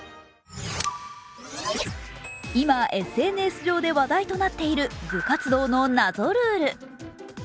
今、ＳＮＳ上で話題となっている部活動の謎ルール。